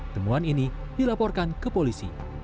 temuan ini dilaporkan ke polisi